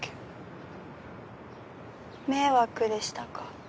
迷惑でしたか？